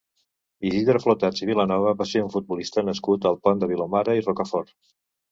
Isidre Flotats i Vilanova va ser un futbolista nascut al Pont de Vilomara i Rocafort.